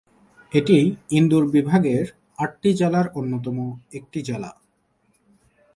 এটি ইন্দোর বিভাগের আটটি জেলার অন্যতম একটি জেলা।